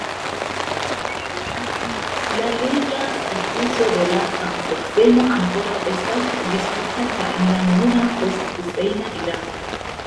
La leĝa statuso de la samseksemo ankoraŭ estas disputata en la nuna post-Husejna Irako.